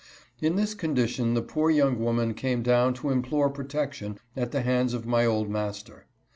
In this condition the poor young woman came down to implore protection at the hands of my old master.